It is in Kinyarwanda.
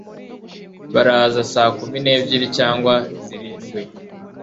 Baraza saa kumi n'ebyiri cyangwa zirindwi?